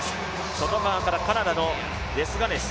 外側からカナダのデスガネス。